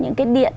những cái điện